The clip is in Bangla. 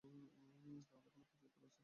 তাহলে তোমার কাছে উত্তর আছে?